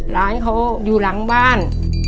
ร้านเขาอยู่หลังบ้าน